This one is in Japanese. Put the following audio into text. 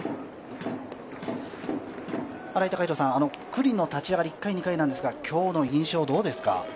九里の立ち上がり、１回、２回ですが今日の印象どうですか？